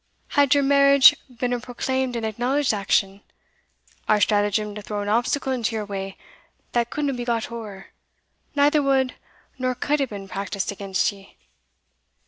Had your marriage been a proclaimed and acknowledged action, our stratagem to throw an obstacle into your way that couldna be got ower, neither wad nor could hae been practised against ye."